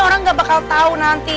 orang gak bakal tahu nanti